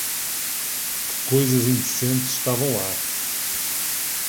Que coisas indecentes estavam lá!